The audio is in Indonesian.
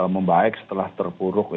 membaik setelah terpuruk